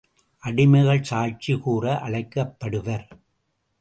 அடிமைகள் சாட்சி கூற அழைக்கப்படுவர்.